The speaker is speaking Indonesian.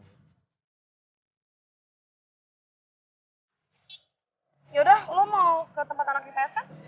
yauda lo mau ke tempat anak ipdm